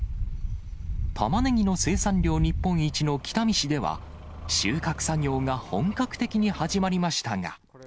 タマネギの生産量日本一の北見市では、収穫作業が本格的に始まりましたが。